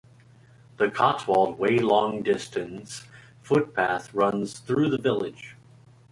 The Cotswold Way long-distance footpath runs through the village.